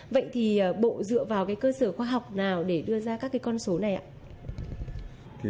vậy thì bộ dựa vào cơ sở khoa học nào để đưa ra các con số này ạ